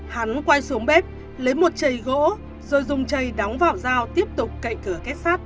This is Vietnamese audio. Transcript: hắn quay xuống bếp lấy một chày gỗ rồi dùng chày đóng vào dao tiếp tục cậy cửa